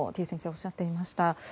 おっしゃっていました。